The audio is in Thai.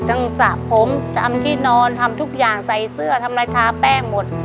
สระผมจำที่นอนทำทุกอย่างใส่เสื้อทำลายทาแป้งหมด